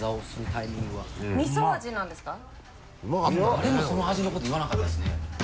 誰もその味のこと言わなかったですね。